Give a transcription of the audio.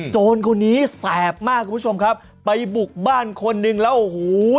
โจรคนนี้แสบมากคุณผู้ชมครับไปบุกบ้านคนหนึ่งแล้วโอ้โห